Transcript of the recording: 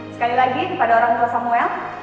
sekali lagi kepada orang tua samuel